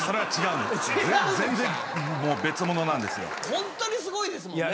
本当にすごいですもんね。